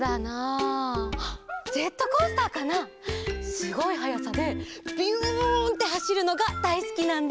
すごいはやさでビュンってはしるのがだいすきなんだ！